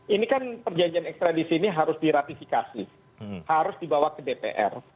ini kan perjanjian ekstradisi ini harus diratifikasi harus dibawa ke dpr